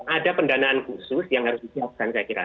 ada pendanaan khusus yang harus disiapkan saya kira